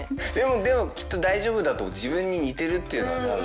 でもきっと大丈夫だと自分に似てるっていうのは。